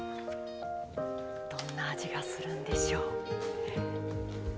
どんな味がするんでしょう。